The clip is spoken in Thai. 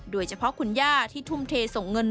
โดยเฉพาะคุณย่าที่ทุ่มเทส่งเงิน